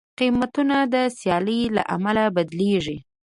قیمتونه د سیالۍ له امله بدلېږي.